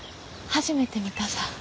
初めて見たさ。